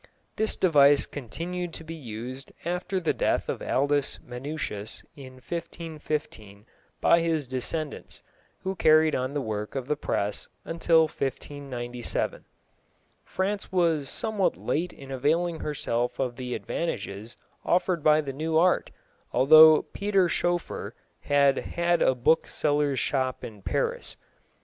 This device continued to be used after the death of Aldus Manutius in 1515 by his descendants, who carried on the work of the press until 1597. France was somewhat late in availing herself of the advantages offered by the new art, although Peter Schoeffer had had a bookseller's shop in Paris.